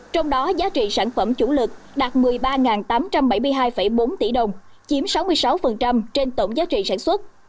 trong đó giá trị sản phẩm chủ lực đạt một mươi ba tám trăm bảy mươi hai bốn tỷ đồng chiếm sáu mươi sáu trên tổng giá trị sản xuất